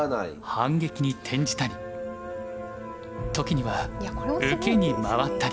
反撃に転じたり時には受けに回ったり。